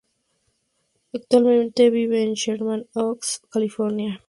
Actualmente vive en Sherman Oaks, California.